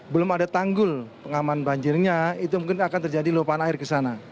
belum ada tanggul pengaman banjirnya itu mungkin akan terjadi luapan air ke sana